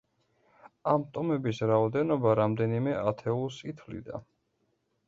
ამ ტომების რაოდენობა რამდენიმე ათეულს ითვლიდა.